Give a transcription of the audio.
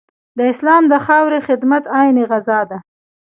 د اسلام د خاورې خدمت عین غزا ده.